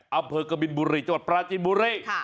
อำเภอกบินบุรีจังหวัดปราจินบุรี